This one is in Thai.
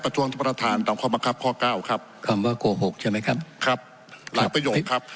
ครับหลายประโยคครับ